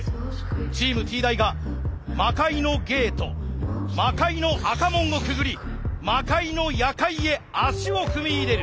チームＴ大が魔改のゲート魔改の赤門をくぐり魔改の夜会へ足を踏み入れる。